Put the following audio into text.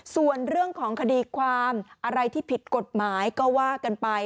ส่วนเรื่องของคดีความอะไรที่ผิดกฎหมายก็ว่ากันไป